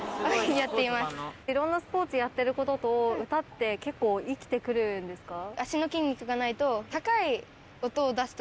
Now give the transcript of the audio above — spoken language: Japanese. いろんなスポーツやってる事と歌って結構生きてくるんですか？